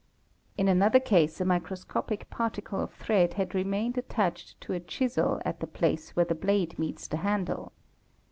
In another case a microscopic particle of thread had remained attached to a chisel at the place where the blade meets the handle.